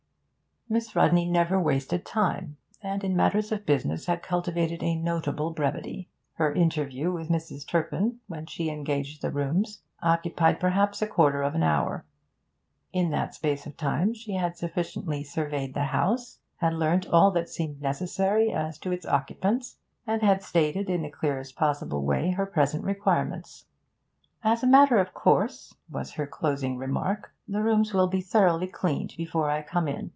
Miss Rodney never wasted time, and in matters of business had cultivated a notable brevity. Her interview with Mrs. Turpin, when she engaged the rooms, occupied perhaps a quarter of an hour; in that space of time she had sufficiently surveyed the house, had learnt all that seemed necessary as to its occupants, and had stated in the clearest possible way her present requirements. 'As a matter of course,' was her closing remark, 'the rooms will be thoroughly cleaned before I come in.